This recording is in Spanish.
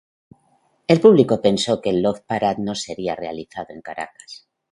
El público pensó que el Love Parade no sería realizado en Caracas.